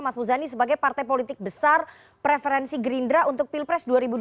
mas muzani sebagai partai politik besar preferensi gerindra untuk pilpres dua ribu dua puluh